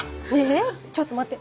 えちょっと待って。